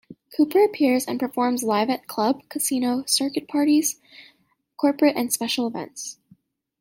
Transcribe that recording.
Cooper appears and performs live at club, casino, circuit parties, corporate and special events.